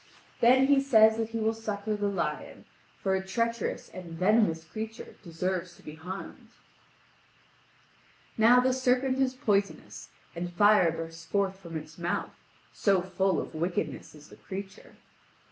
Then he says that he will succour the lion, for a treacherous and venomous creature deserves to be harmed. Now the serpent is poisonous, and fire bursts forth from its mouth so full of wickedness is the creature.